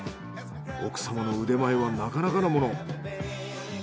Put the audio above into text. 奥様の腕前はなかなかのもの。